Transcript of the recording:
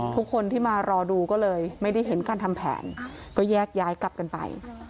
ทุกคนที่มารอดูก็เลยไม่ได้เห็นการทำแผนก็แยกย้ายกลับกันไป